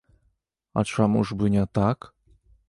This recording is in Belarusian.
А чаму ж бы не так?